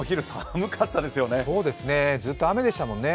ずっと雨でしたもんね。